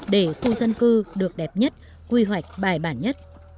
để khu dân cư được đẹp nhất quy hoạch bài bản nhất